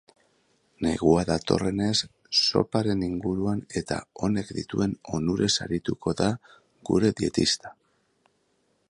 Negua datorrenez, zoparen inguruan eta honek dituen onurez arituko da gure dietista.